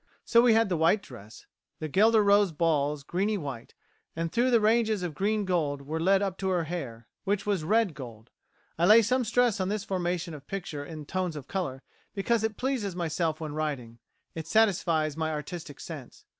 So we had the white dress, the guelder rose balls greeny white, and through the ranges of green gold were led up to her hair, which was red gold. I lay some stress on this formation of picture in tones of colour, because it pleases myself when writing it satisfies my artistic sense.